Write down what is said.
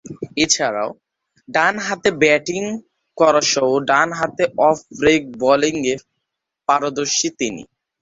এছাড়াও ডানহাতে ব্যাটিং করাসহ ডানহাতে অফ-ব্রেক বোলিংয়ে পারদর্শী তিনি।